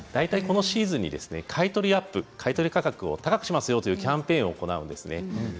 このシーズンに買い取りアップ、買い取り価格を高くしますよというキャンペーンを行っています。